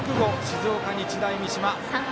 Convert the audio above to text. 静岡・日大三島。